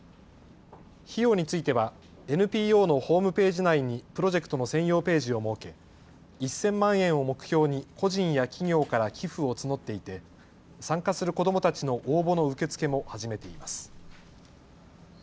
費用についてはＮＰＯのホームページ内にプロジェクトの専用ページを設け１０００万円を目標に個人や企業から寄付を募っていて参加する子どもたちの応募の受け付けも始めています。